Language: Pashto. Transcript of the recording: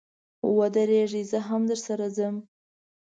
و درېږئ، زه هم درسره ځم.